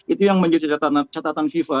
itu yang menjadi catatan fifa